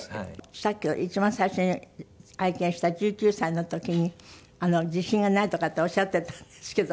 さっきの一番最初に拝見した１９歳の時に自信がないとかっておっしゃっていたんですけど。